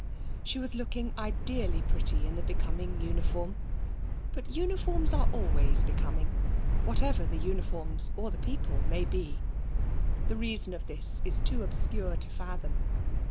She was looking ideally pretty in the becoming uniform, but uniforms are always becoming, whatever the uniforms or the people may be. The reason of this is too obscure to fathom.